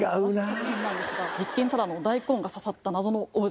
一見ただの大根が刺さった謎の。